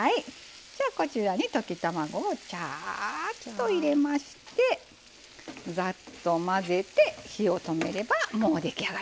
こちらに溶き卵をジャーっと入れましてざっと混ぜて火を止めればもう出来上がり。